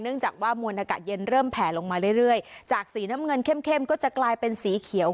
จากว่ามวลอากาศเย็นเริ่มแผลลงมาเรื่อยจากสีน้ำเงินเข้มเข้มก็จะกลายเป็นสีเขียว